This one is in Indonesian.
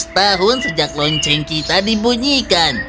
dua ratus tahun sejak lonceng kita dibunyikan